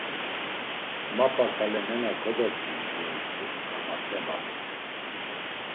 Mapa ǩala nena kodobdvit ya utzu Karmat̆e badis.